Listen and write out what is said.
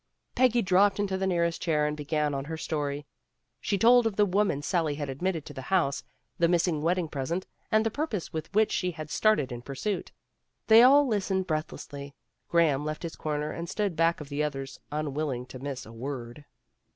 Peggy dropped into the nearest chair and began on her story. She told of the woman Sally had admitted to the house, the missing wedding present, and the purpose with which she had started in pursuit. They all listened breathlessly, Graham left his corner and stood back of the others, unwilling to miss a word.